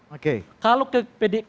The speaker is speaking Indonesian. oke kalau ke pdi